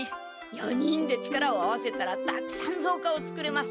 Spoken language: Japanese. ４人で力を合わせたらたくさんぞうかを作れます。